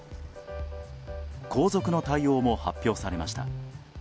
皇族の対応も発表されました。